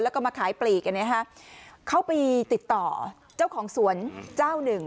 แล้วก็มาขายปลีกกันนะฮะเขาไปติดต่อเจ้าของสวนเจ้าหนึ่ง